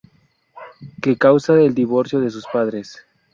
Que causa el divorcio de sus padres.